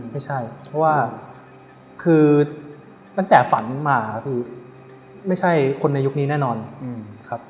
ไม่ใช่เพราะว่าคือตั้งแต่ฝันมาคือไม่ใช่คนในยุคนี้แน่นอนครับ